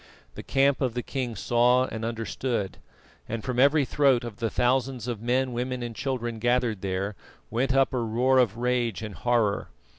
The camp of the king saw and understood, and from every throat of the thousands of men, women and children gathered there, went up a roar of rage and horror.